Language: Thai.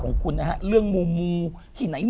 ของคุณนะฮะเรื่องมูมูที่ไหน